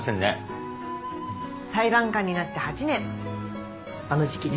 裁判官になって８年あの時期ね。